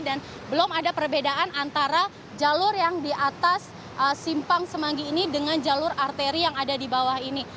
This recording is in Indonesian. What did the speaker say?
dan belum ada perbedaan antara jalur yang di atas simpang semangi ini dengan jalur arteri yang ada di bawah ini